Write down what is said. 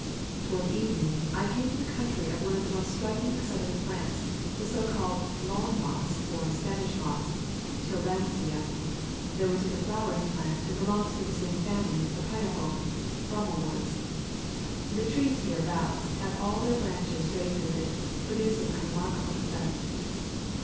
Toward evening I came to the country of one of the most striking of southern plants, the so called "Long Moss" or Spanish Moss [Til landsia], though it is a flowering plant and be longs to the same family as the pineapple [Bromelworts]. The trees hereabouts have all their branches draped with it, producing a re markable effect.